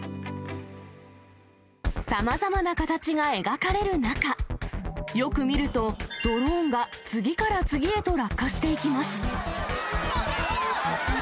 さまざまな形が描かれる中、よく見ると、ドローンが次から次へと落下していきます。